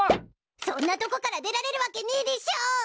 そんなとこから出られるわけねいでぃしょ！